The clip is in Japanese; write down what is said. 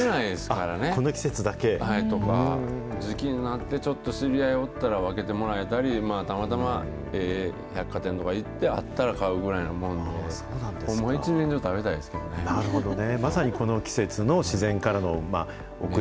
この季節だけ。とか、時期になってちょっと知り合いおったら、分けてもらえたり、たまたまええ百貨店とか行って、あったら買うぐらいなもんで、ほんまは一年中食べたいですけどね。